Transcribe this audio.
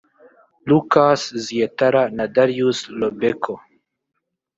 Łukasz Ziętara naDariusz Lobejko